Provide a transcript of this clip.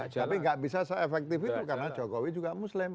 tapi nggak bisa se efektif itu karena jokowi juga muslim